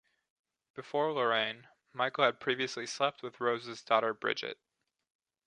Before Lorraine, Michael had previously slept with Rose's daughter Bridget.